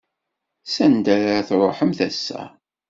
S anda ara truḥemt ass-a?